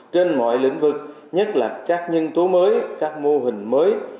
trên mọi lĩnh vực nhất là các nhân tố mới các mô hình mới